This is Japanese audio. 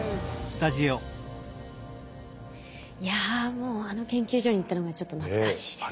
もうあの研究所に行ったのがちょっと懐かしいですね。